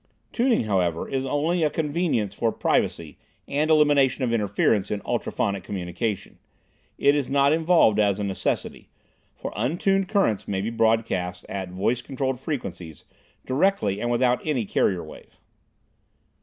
Tuning, however, is only a convenience for privacy and elimination of interference in ultrophonic communication. It is not involved as a necessity, for untuned currents may be broadcast at voice controlled frequencies, directly and without any carrier wave.